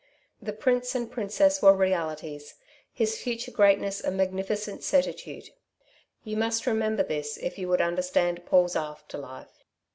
The prince and princess were realities, his future greatness a magnificent certitude. You must remember this, if you would understand Paul's after life.